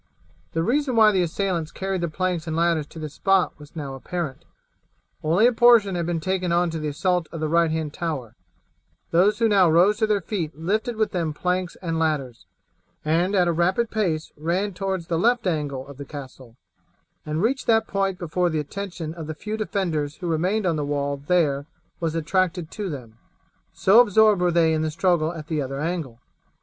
The reason why the assailants carried the planks and ladders to this spot was now apparent. Only a portion had been taken on to the assault of the right hand tower; those who now rose to their feet lifted with them planks and ladders, and at a rapid pace ran towards the left angle of the castle, and reached that point before the attention of the few defenders who remained on the wall there was attracted to them, so absorbed were they in the struggle at the other angle.